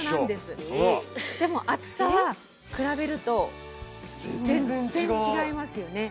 でも厚さは比べると全然違いますよね。